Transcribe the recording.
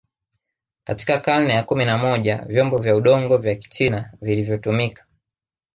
Katika karne ya kumi na moja vyombo vya udongo vya kichina vilivyotumika